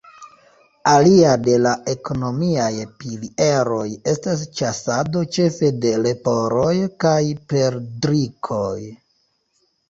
Alia de la ekonomiaj pilieroj estas ĉasado ĉefe de leporoj kaj perdrikoj.